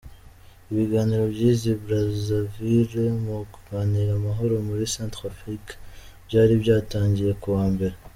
Ibiganiro by’i Brazzaville mu kugarura amahoro muri Centrafrique byari byatangiye kuwa Mbere.